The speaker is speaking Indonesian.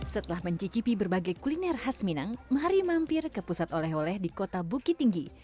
setelah mencicipi berbagai kuliner khas minang mari mampir ke pusat oleh oleh di kota bukit tinggi